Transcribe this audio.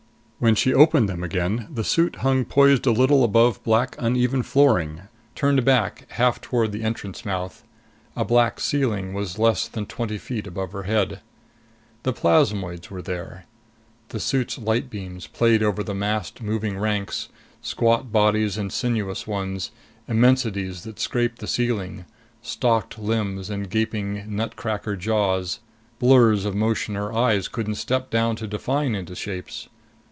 When she opened them again, the suit hung poised a little above black uneven flooring, turned back half toward the entrance mouth. A black ceiling was less than twenty feet above her head. The plasmoids were there. The suit's light beams played over the massed, moving ranks: squat bodies and sinuous ones, immensities that scraped the ceiling, stalked limbs and gaping nutcracker jaws, blurs of motion her eyes couldn't step down to define into shapes.